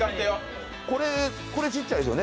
これ、ちっちゃいですよね。